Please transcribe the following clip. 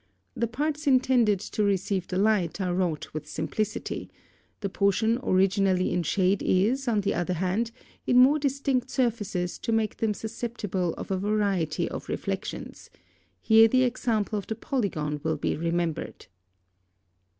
The parts intended to receive the light are wrought with simplicity, the portion originally in shade is, on the other hand, in more distinct surfaces to make them susceptible of a variety of reflexions; here the example of the polygon will be remembered.